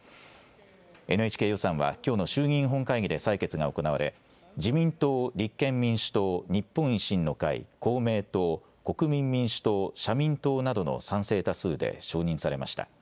ＮＨＫ予算はきょうの衆議院本会議で採決が行われ自民党、立憲民主党、日本維新の会、公明党、国民民主党、社民党などの賛成多数で承認されました。